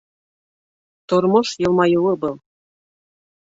Тормош йылмайыуы был!..